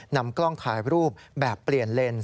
นำกล้องถ่ายรูปแบบเปลี่ยนเลน